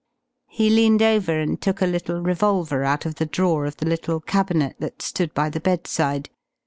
He leaned over and took a little revolver out of the drawer of the little cabinet that stood by the bedside.